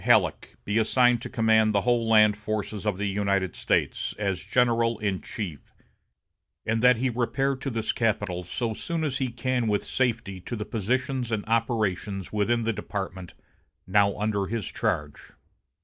Halleck be assigned to command the whole land forces of the United States, as general in chief, and that he repair to this capital so soon as he can with safety to the positions and operations within the department now under his charge."